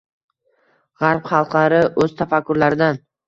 G‘arb xalqlari o‘z tafakkurlaridan